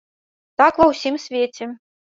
Так ва ўсім свеце.